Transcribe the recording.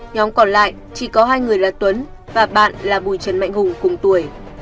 nhóm còn lại chỉ có hai người là tuấn và bạn là bùi trần mạnh hùng cùng tuổi